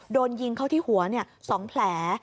โดนยิงเข้าที่หัว๒แผล